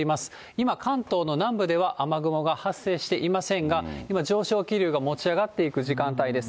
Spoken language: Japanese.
今、関東の南部では雨雲が発生していませんが、今、上昇気流が持ち上がっていく時間帯です。